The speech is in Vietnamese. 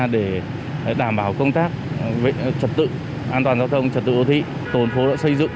để đảm bảo công tác trật tự an toàn giao thông trật tự đô thị tổn phố đã xây dựng